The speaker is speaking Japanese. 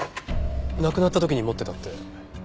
亡くなった時に持ってたって？